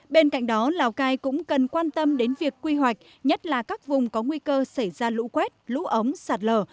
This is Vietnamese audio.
bên cạnh đó lào cai cũng cần quan tâm đến việc quy hoạch nhất là các vùng có nguy cơ xảy ra lũ quét lũ ống sạt lở